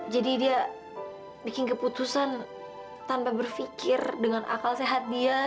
jadi dia bikin keputusan tanpa berfikir dengan akal sehat dia